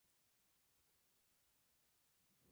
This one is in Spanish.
Además, su limusina casi golpea a Paige.